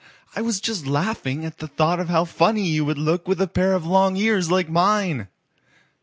"I was just laughing, at the thought of how funny you would look with a pair of long ears like mine.